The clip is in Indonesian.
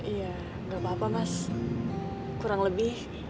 ya gak apa apa mas kurang lebih